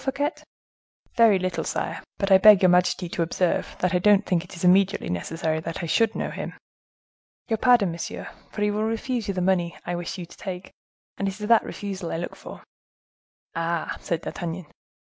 Fouquet?" "Very little, sire; but I beg your majesty to observe that I don't think it immediately necessary that I should know him." "Your pardon, monsieur; for he will refuse you the money I wish you to take; and it is that refusal I look for." "Ah!" said D'Artagnan.